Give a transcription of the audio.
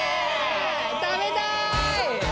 食べたい！